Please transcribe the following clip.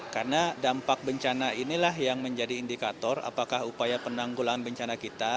karena dampak bencana inilah yang menjadi indikator apakah upaya penanggulan bencana kita